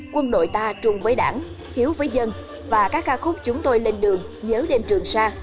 quân đội ta chung với đảng hiếu với dân và các ca khúc chúng tôi lên đường nhớ đêm trường xa